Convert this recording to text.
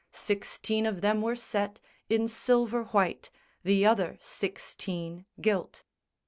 Sixteen of them were set In silver white, the other sixteen gilt.